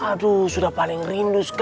aduh sudah paling rindu